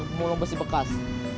kemulung besi bekas